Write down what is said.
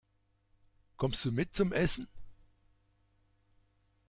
Kommst du mit zum Essen?